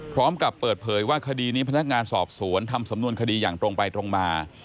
พร้อมกับเปิดเผยว่าคดีนี้พนักงานสอบสวนทำสำนวนคดีอย่างตรงไปตรงมา